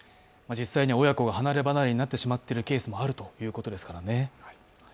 実際に親子が離れ離れになってしまっているケースもあるということですからね。